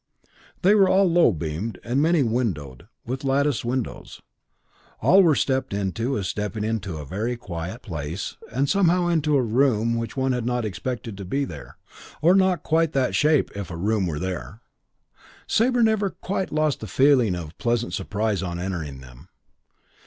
All were low beamed and many windowed with lattice windows; all were stepped into as stepping into a very quiet place, and somehow into a room which one had not expected to be there, or not quite that shape if a room were there. Sabre never quite lost that feeling of pleasant surprise on entering them.